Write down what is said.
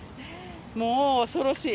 もう恐ろしい。